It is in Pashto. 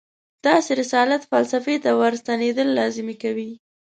داسې رسالت فلسفې ته ورستنېدل لازمي کوي.